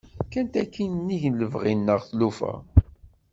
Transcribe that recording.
Kkant akin nnig lebɣi-nneɣ tlufa.